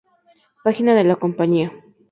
Página de la compañía